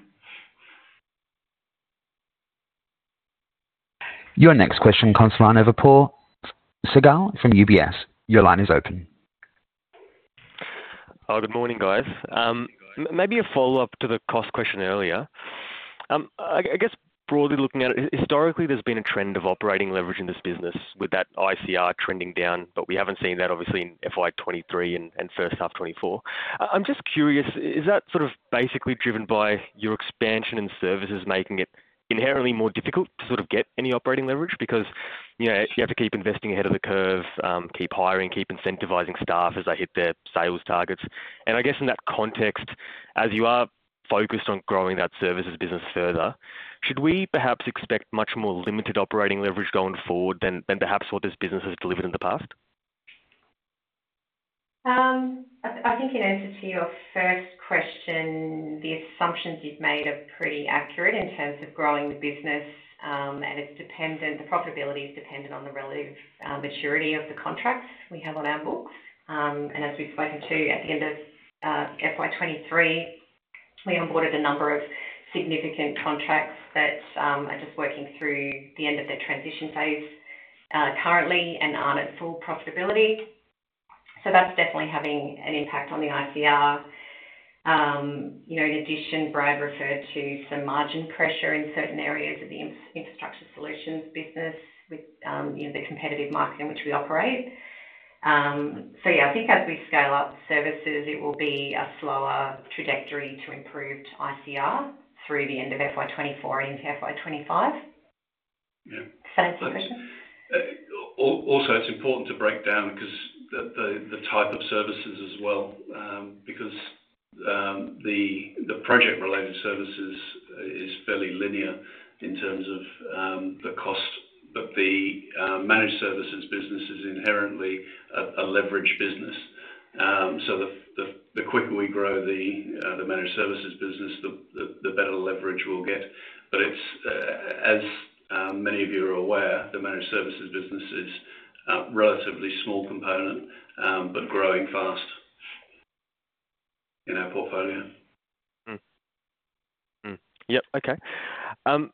Your next question comes from the line of Apoorv Sehgal from UBS. Your line is open. Good morning, guys. Maybe a follow-up to the cost question earlier. I guess, broadly looking at it, historically, there's been a trend of operating leverage in this business with that ICR trending down, but we haven't seen that, obviously, in FY 2023 and first half 2024. I'm just curious, is that sort of basically driven by your expansion in services making it inherently more difficult to sort of get any operating leverage? Because you have to keep investing ahead of the curve, keep hiring, keep incentivizing staff as they hit their sales targets. And I guess in that context, as you are focused on growing that services business further, should we perhaps expect much more limited operating leverage going forward than perhaps what this business has delivered in the past? I think in answer to your first question, the assumptions you've made are pretty accurate in terms of growing the business, and the profitability is dependent on the relative maturity of the contracts we have on our books. As we've spoken to, at the end of FY 2023, we onboarded a number of significant contracts that are just working through the end of their transition phase currently and aren't at full profitability. That's definitely having an impact on the ICR. In addition, Brad referred to some margin pressure in certain areas of the infrastructure solutions business with the competitive market in which we operate. Yeah, I think as we scale up services, it will be a slower trajectory to improved ICR through the end of FY 2024 and into FY 2025. Does that answer your question? Also, it's important to break down the type of services as well because the project-related services is fairly linear in terms of the cost. But the managed services business is inherently a leverage business. So the quicker we grow the managed services business, the better leverage we'll get. But as many of you are aware, the managed services business is a relatively small component but growing fast in our portfolio. Yep. Okay. And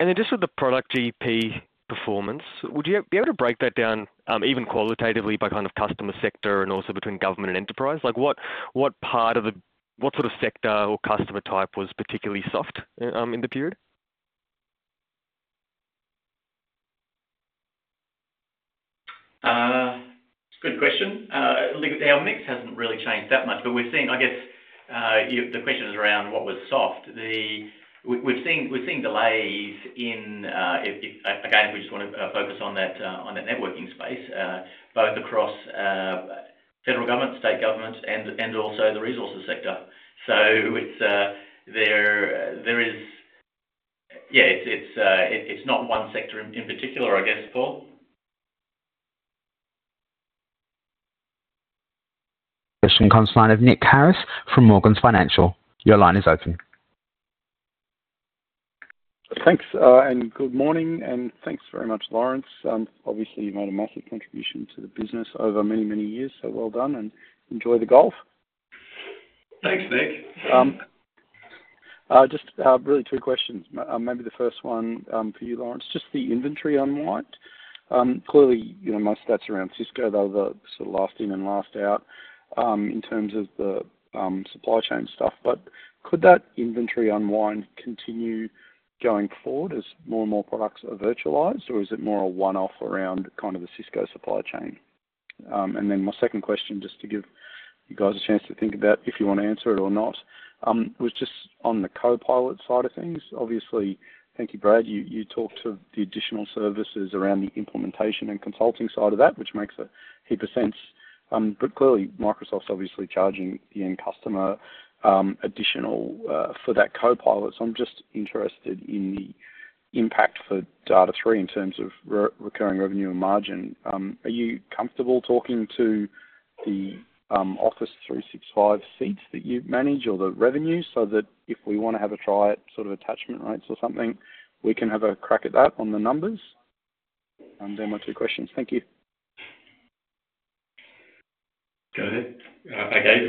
then just with the product GP performance, would you be able to break that down even qualitatively by kind of customer sector and also between government and enterprise? What part of the sort of sector or customer type was particularly soft in the period? Good question. Our mix hasn't really changed that much, but I guess the question is around what was soft. We're seeing delays in again, if we just want to focus on that networking space, both across federal government, state government, and also the resources sector. So yeah, it's not one sector in particular, I guess, Apoorv. Question comes from line of Nick Harris from Morgans Financial. Your line is open. Thanks. Good morning. Thanks very much, Laurence. Obviously, you've made a massive contribution to the business over many, many years. Well done. Enjoy the golf. Thanks, Nick. Just really two questions. Maybe the first one for you, Laurence. Just the inventory unwind. Clearly, most stats around Cisco, though, they're sort of last in and last out in terms of the supply chain stuff. But could that inventory unwind continue going forward as more and more products are virtualized, or is it more a one-off around kind of the Cisco supply chain? And then my second question, just to give you guys a chance to think about if you want to answer it or not, was just on the Copilot side of things. Obviously, thank you, Brad. You talked to the additional services around the implementation and consulting side of that, which makes a heap of sense. But clearly, Microsoft's obviously charging the end customer additional for that Copilot. So I'm just interested in the impact for Data#3 in terms of recurring revenue and margin. Are you comfortable talking to the Office 365 seats that you manage or the revenue so that if we want to have a try at sort of attachment rates or something, we can have a crack at that on the numbers? And they're my two questions. Thank you. Go ahead. Okay.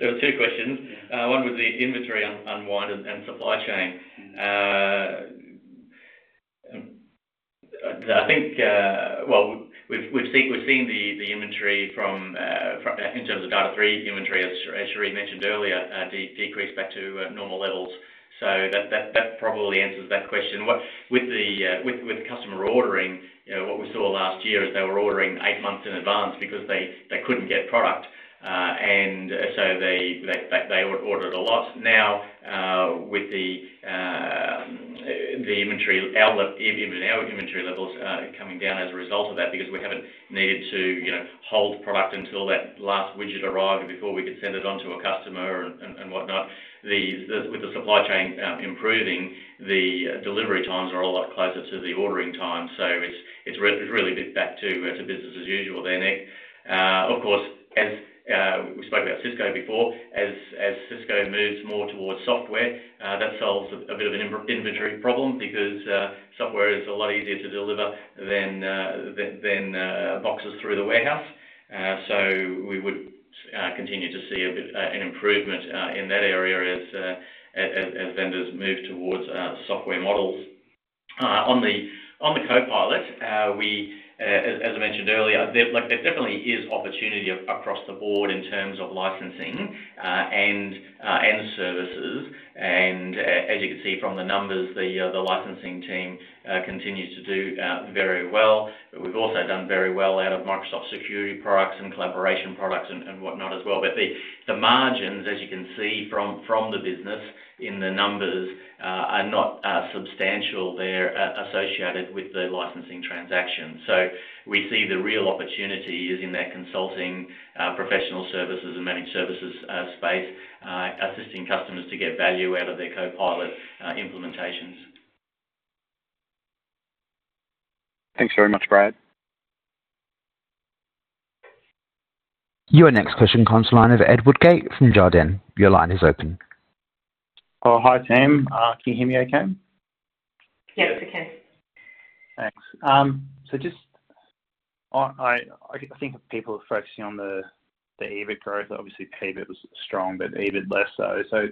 There were two questions. One was the inventory unwind and supply chain. Well, we've seen the inventory in terms of Data#3 inventory, as Cherie mentioned earlier, decrease back to normal levels. So that probably answers that question. With customer ordering, what we saw last year is they were ordering eight months in advance because they couldn't get product, and so they ordered a lot. Now, with the inventory levels coming down as a result of that because we haven't needed to hold product until that last widget arrived before we could send it on to a customer and whatnot, with the supply chain improving, the delivery times are a lot closer to the ordering times. So it's really back to business as usual there, Nick. Of course, as we spoke about Cisco before, as Cisco moves more towards software, that solves a bit of an inventory problem because software is a lot easier to deliver than boxes through the warehouse. We would continue to see an improvement in that area as vendors move towards software models. On the Copilot, as I mentioned earlier, there definitely is opportunity across the board in terms of licensing and services. And as you can see from the numbers, the licensing team continues to do very well. We've also done very well out of Microsoft security products and collaboration products and whatnot as well. But the margins, as you can see from the business in the numbers, are not substantial there associated with the licensing transaction. So we see the real opportunity is in that consulting professional services and managed services space, assisting customers to get value out of their Copilot implementations. Thanks very much, Brad. Your next question comes from the line of Edward Gate from Jarden. Your line is open. Hi, team. Can you hear me okay? Yes, we can. Thanks. So I think people are focusing on the EBIT growth. Obviously, PBIT was strong, but EBIT less so. So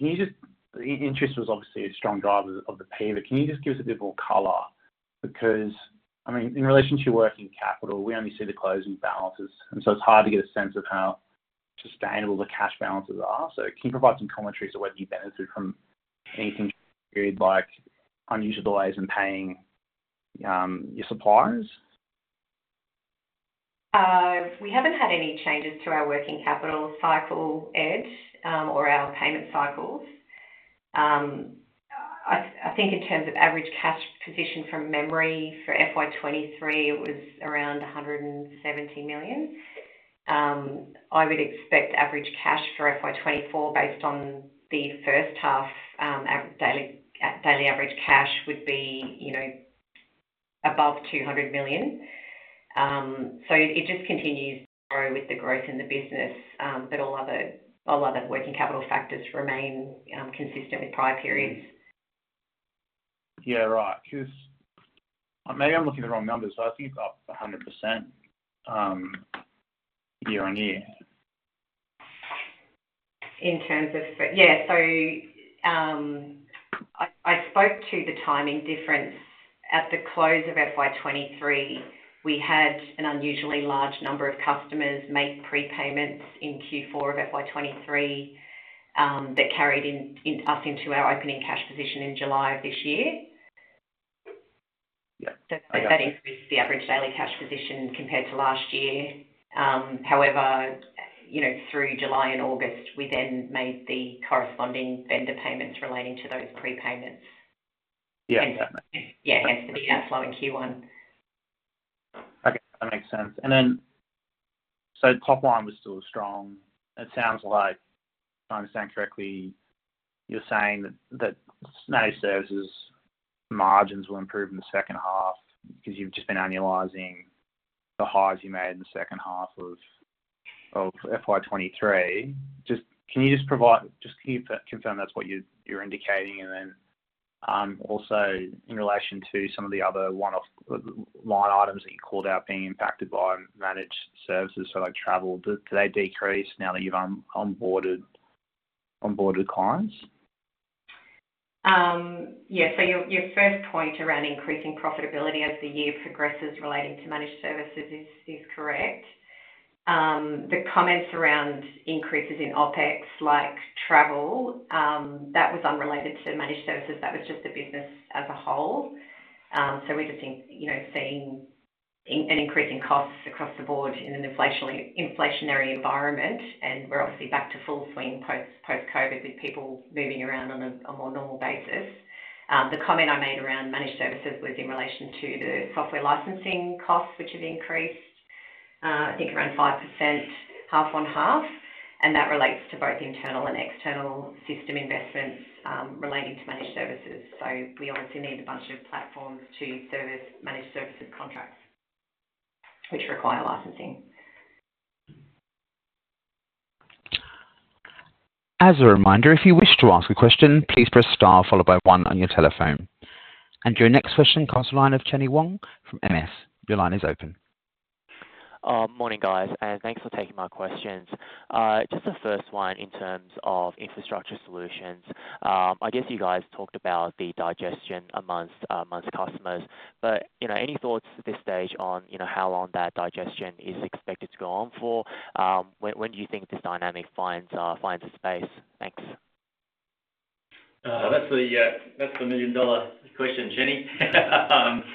interest was obviously a strong driver of the PBIT. Can you just give us a bit more color? Because, I mean, in relation to your working capital, we only see the closing balances. And so it's hard to get a sense of how sustainable the cash balances are. So can you provide some commentaries on whether you benefited from anything like unusual delays in paying your suppliers? We haven't had any changes to our working capital cycle edge or our payment cycles. I think in terms of average cash position from memory for FY 2023, it was around 170 million. I would expect average cash for FY 2024 based on the first half, daily average cash would be above 200 million. So it just continues to grow with the growth in the business, but all other working capital factors remain consistent with prior periods. Yeah, right. Maybe I'm looking at the wrong numbers, but I think it's up 100% year-on-year. Yeah. So I spoke to the timing difference. At the close of FY 2023, we had an unusually large number of customers make prepayments in Q4 of FY 2023 that carried us into our opening cash position in July of this year. So that increased the average daily cash position compared to last year. However, through July and August, we then made the corresponding vendor payments relating to those prepayments. Yeah, hence the big outflow in Q1. Okay. That makes sense. And then so top line was still strong. If I understand correctly, you're saying that managed services margins will improve in the second half because you've just been annualizing the highs you made in the second half of FY 2023. Can you confirm that's what you're indicating? And then also in relation to some of the other line items that you called out being impacted by managed services, so like travel, did they decrease now that you've onboarded clients? Yeah. Your first point around increasing profitability as the year progresses relating to managed services is correct. The comments around increases in OpEx, like travel, that was unrelated to managed services. That was just the business as a whole. We're just seeing an increase in costs across the board in an inflationary environment. We're obviously back to full swing post-COVID with people moving around on a more normal basis. The comment I made around managed services was in relation to the software licensing costs, which have increased, I think, around 5% half on half. That relates to both internal and external system investments relating to managed services. We obviously need a bunch of platforms to service managed services contracts, which require licensing. As a reminder, if you wish to ask a question, please press star followed by 1 on your telephone. Your next question comes from line of Chenny Wang from MS. Your line is open. Morning, guys. Thanks for taking my questions. Just the first one in terms of infrastructure solutions. I guess you guys talked about the digestion amongst customers. But any thoughts at this stage on how long that digestion is expected to go on for? When do you think this dynamic finds a space? Thanks. That's the million-dollar question, Chenny.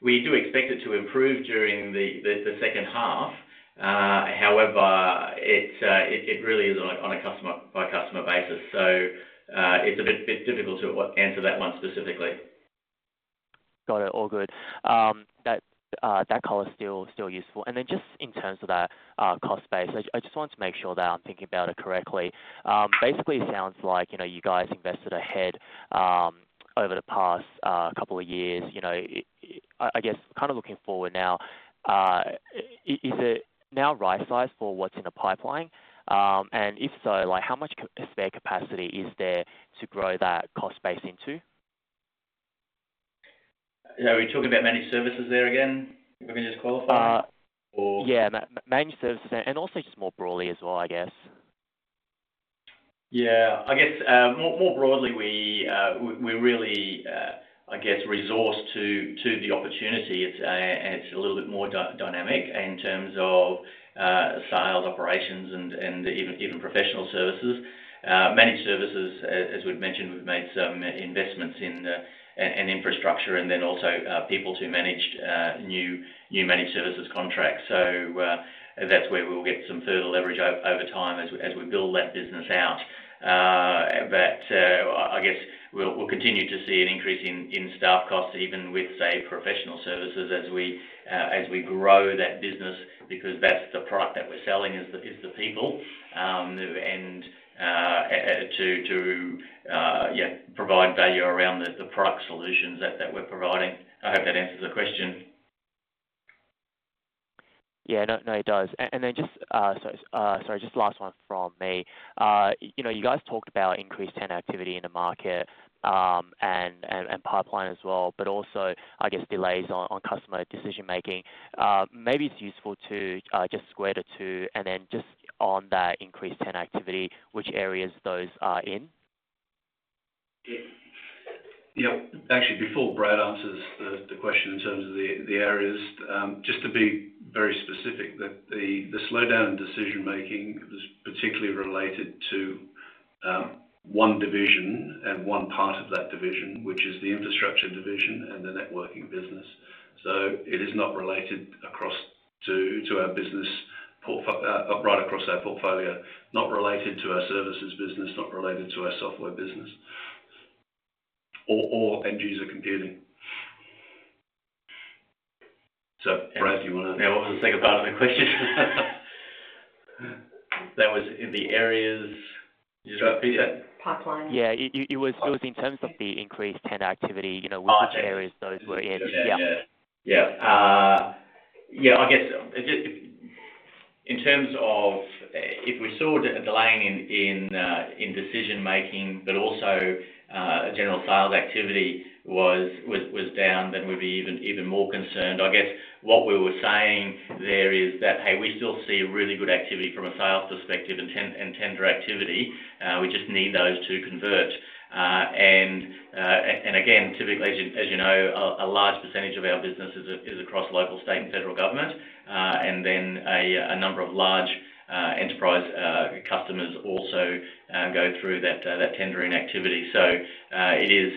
We do expect it to improve during the second half. However, it really is on a customer-by-customer basis. So it's a bit difficult to answer that one specifically. Got it. All good. That color's still useful. And then just in terms of that cost base, I just want to make sure that I'm thinking about it correctly. Basically, it sounds like you guys invested ahead over the past couple of years. I guess kind of looking forward now, is it now right size for what's in the pipeline? And if so, how much spare capacity is there to grow that cost base into? Are we talking about managed services there again? If we can just qualify that, or? Yeah. Managed services and also just more broadly as well, I guess. Yeah. I guess more broadly, we really, I guess, resource to the opportunity. It's a little bit more dynamic in terms of sales, operations, and even professional services. Managed services, as we've mentioned, we've made some investments in infrastructure and then also people who managed new managed services contracts. So that's where we'll get some further leverage over time as we build that business out. But I guess we'll continue to see an increase in staff costs even with, say, professional services as we grow that business because that's the product that we're selling is the people and to provide value around the product solutions that we're providing. I hope that answers the question. Yeah. No, it does. And then just sorry, just last one from me. You guys talked about increased tenant activity in the market and pipeline as well, but also, I guess, delays on customer decision-making. Maybe it's useful to just square the two. And then just on that increased tenant activity, which areas those are in? Yep. Actually, before Brad answers the question in terms of the areas, just to be very specific, the slowdown in decision-making was particularly related to one division and one part of that division, which is the infrastructure division and the networking business. So it is not related across to our business right across our portfolio, not related to our services business, not related to our software business, or end-user computing. So, Brad, do you want to? Yeah. What was the second part of the question? That was in the areas? You just repeated it? Pipeline. Yeah. It was in terms of the increased tenant activity. Which areas those were in? Yeah. Yeah. Yeah. I guess in terms of if we saw a delay in decision-making, but also general sales activity was down, then we'd be even more concerned. I guess what we were saying there is that, "Hey, we still see really good activity from a sales perspective and tender activity. We just need those to convert." And again, typically, as you know, a large percentage of our business is across local, state, and federal government. And then a number of large enterprise customers also go through that tendering activity. So it is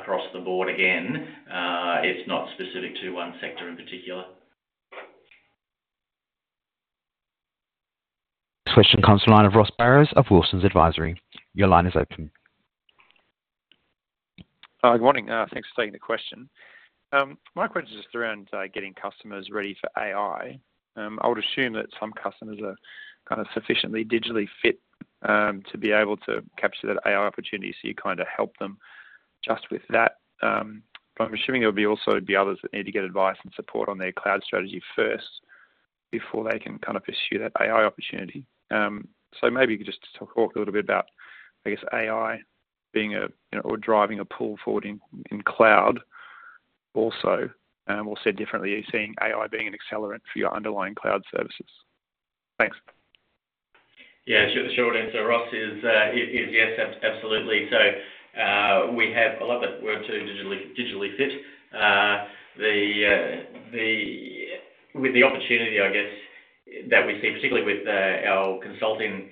across the board again. It's not specific to one sector in particular. Next question comes from line of Ross Barrows of Wilsons Advisory. Your line is open. Good morning. Thanks for taking the question. My question is just around getting customers ready for AI. I would assume that some customers are kind of sufficiently digitally fit to be able to capture that AI opportunity. So you kind of help them just with that. But I'm assuming there would also be others that need to get advice and support on their cloud strategy first before they can kind of pursue that AI opportunity. So maybe you could just talk a little bit about, I guess, AI being a or driving a pull forward in cloud also, or said differently, seeing AI being an accelerant for your underlying cloud services. Thanks. Yeah. Short answer, Ross, is yes, absolutely. So we have a lot of that word too, digitally fit. With the opportunity, I guess, that we see, particularly with our consulting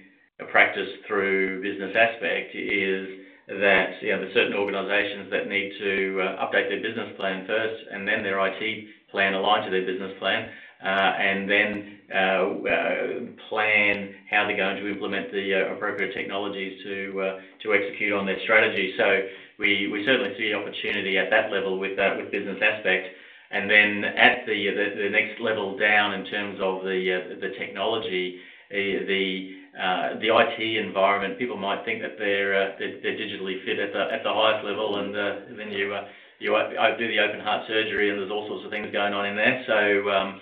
practice through Business Aspect, is that there's certain organizations that need to update their business plan first and then their IT plan aligned to their business plan and then plan how they're going to implement the appropriate technologies to execute on their strategy. So we certainly see opportunity at that level with Business Aspect. And then at the next level down in terms of the technology, the IT environment, people might think that they're digitally fit at the highest level. And then you do the open-heart surgery, and there's all sorts of things going on in there. So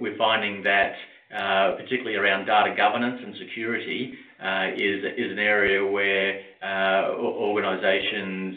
we're finding that particularly around data governance and security is an area where organizations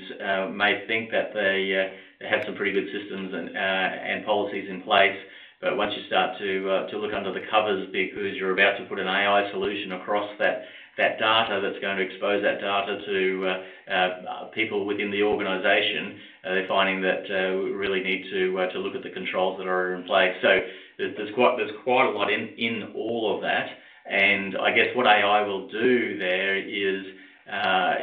may think that they have some pretty good systems and policies in place. But once you start to look under the covers because you're about to put an AI solution across that data that's going to expose that data to people within the organization, they're finding that we really need to look at the controls that are in place. So there's quite a lot in all of that. And I guess what AI will do there is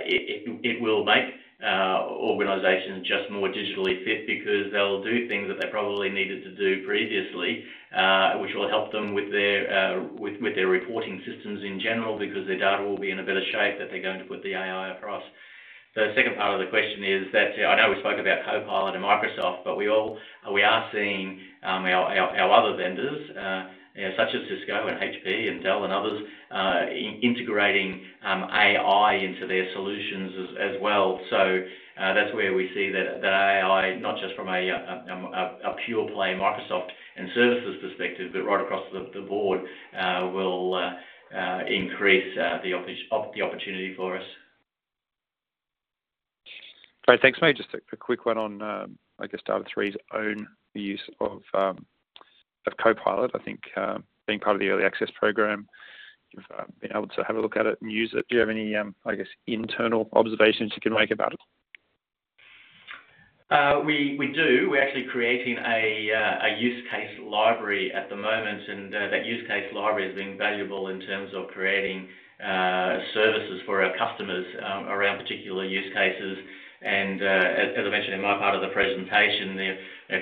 it will make organizations just more digitally fit because they'll do things that they probably needed to do previously, which will help them with their reporting systems in general because their data will be in a better shape that they're going to put the AI across. The second part of the question is that I know we spoke about Copilot and Microsoft, but we are seeing our other vendors such as Cisco and HP and Dell and others integrating AI into their solutions as well. So that's where we see that AI, not just from a pure-play Microsoft and services perspective, but right across the board, will increase the opportunity for us. Great. Thanks, May. Just a quick one on, I guess, Data#3's own use of Copilot. I think being part of the Early Access Program, you've been able to have a look at it and use it. Do you have any, I guess, internal observations you can make about it? We do. We're actually creating a use case library at the moment. That use case library is being valuable in terms of creating services for our customers around particular use cases. As I mentioned in my part of the presentation,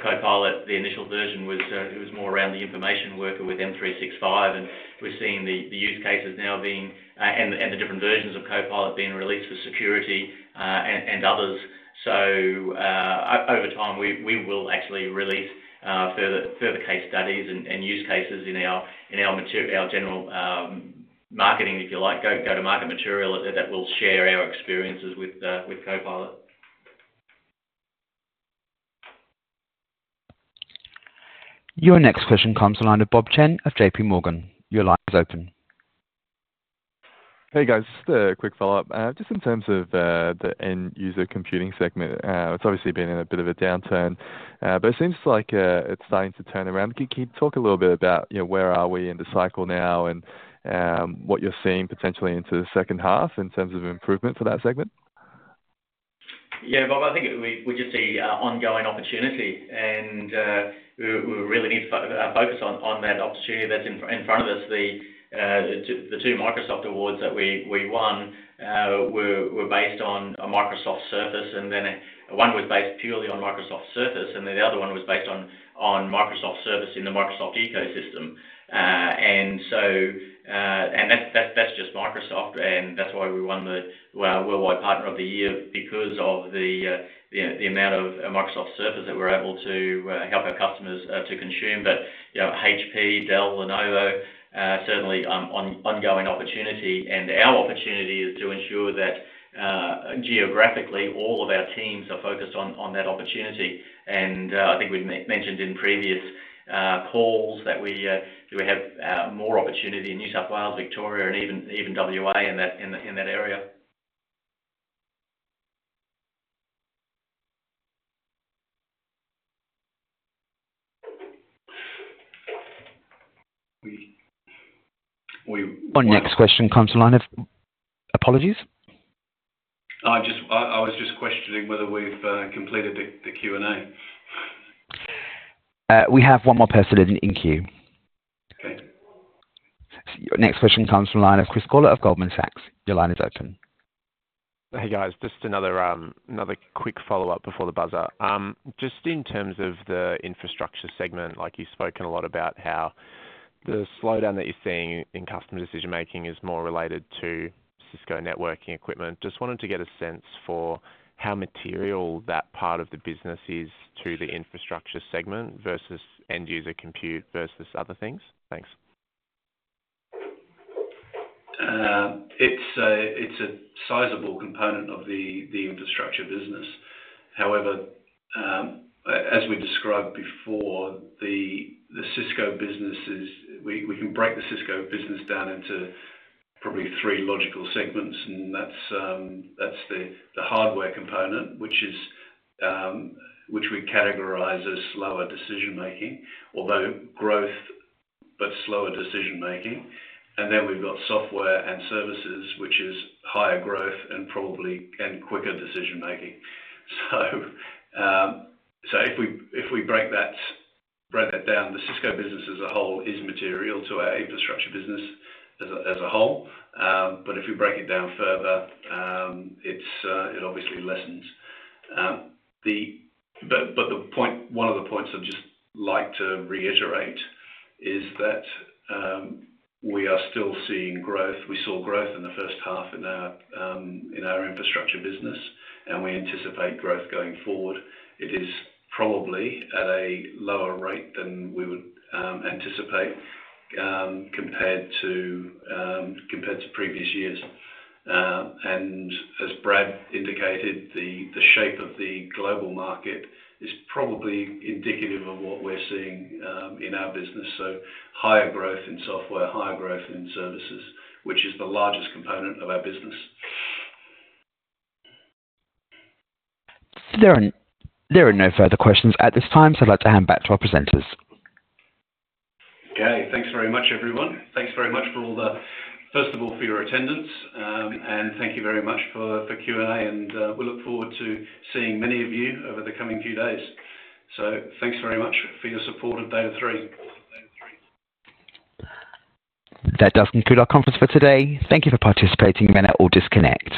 Copilot, the initial version was more around the information worker with M365. We're seeing the use cases now being and the different versions of Copilot being released for security and others. Over time, we will actually release further case studies and use cases in our general marketing, if you like, go-to-market material that will share our experiences with Copilot. Your next question comes from the line of Bob Chen of JPMorgan. Your line is open. Hey, guys. Just a quick follow-up. Just in terms of the end-user computing segment, it's obviously been in a bit of a downturn, but it seems like it's starting to turn around. Could you talk a little bit about where are we in the cycle now and what you're seeing potentially into the second half in terms of improvement for that segment? Yeah, Bob. I think we just see ongoing opportunity. And we really need to focus on that opportunity that's in front of us. The two Microsoft awards that we won were based on a Microsoft Surface. And then one was based purely on Microsoft Surface, and then the other one was based on Microsoft Surface in the Microsoft ecosystem. And that's just Microsoft. And that's why we won the Worldwide Partner of the Year because of the amount of Microsoft Surface that we're able to help our customers to consume. But HP, Dell, Lenovo, certainly ongoing opportunity. And our opportunity is to ensure that geographically, all of our teams are focused on that opportunity. And I think we mentioned in previous calls that we have more opportunity in New South Wales, Victoria, and even WA in that area. We. One next question comes from line of apologies. I was just questioning whether we've completed the Q&A. We have one more person in queue. Okay. Next question comes from the line of Chris Gawler of Goldman Sachs. Your line is open. Hey, guys. Just another quick follow-up before the buzzer. Just in terms of the infrastructure segment, you've spoken a lot about how the slowdown that you're seeing in customer decision-making is more related to Cisco networking equipment. Just wanted to get a sense for how material that part of the business is to the infrastructure segment versus end-user compute versus other things. Thanks. It's a sizable component of the infrastructure business. However, as we described before, the Cisco business is we can break the Cisco business down into probably three logical segments. And that's the hardware component, which we categorize as slower decision-making, although growth, but slower decision-making. And then we've got software and services, which is higher growth and quicker decision-making. So if we break that down, the Cisco business as a whole is material to our infrastructure business as a whole. But if we break it down further, it obviously lessens. But one of the points I'd just like to reiterate is that we are still seeing growth. We saw growth in the first half in our infrastructure business, and we anticipate growth going forward. It is probably at a lower rate than we would anticipate compared to previous years. As Brad indicated, the shape of the global market is probably indicative of what we're seeing in our business. So higher growth in software, higher growth in services, which is the largest component of our business. There are no further questions at this time, so I'd like to hand back to our presenters. Okay. Thanks very much, everyone. Thanks very much for all the first of all, for your attendance. Thank you very much for Q&A. We look forward to seeing many of you over the coming few days. Thanks very much for your support of Data#3. That does conclude our conference for today. Thank you for participating. You may now all disconnect.